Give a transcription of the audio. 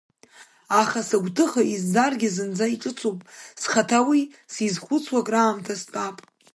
Аха сыгәҭыха, изӡаргьы, зынӡа иҿыцуп, схаҭа уи сизхәыцуа акраамҭа стәап.